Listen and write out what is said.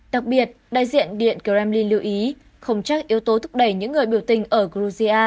đặc biệt đại diện điện kremlin lưu ý không chắc yếu tố thúc đẩy những người biểu tình ở georgia